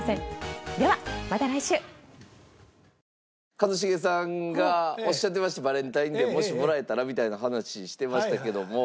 一茂さんがおっしゃってましたバレンタインデーもしもらえたらみたいな話してましたけども。